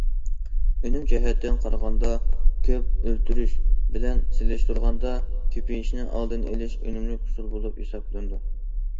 ئۈنۈم جەھەتتىن قارىغاندا، كۆپ ئۆلتۈرۈش بىلەن سېلىشتۇرغاندا كۆپىيىشىنىڭ ئالدىنى ئېلىش ئۈنۈملۈك ئۇسۇل بولۇپ ھېسابلىنىدۇ.